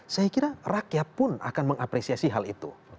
saya kira rakyat pun akan mengapresiasi hal itu